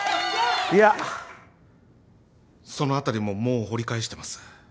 いやその辺りももう掘り返してます。